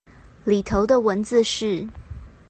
裡頭的文字是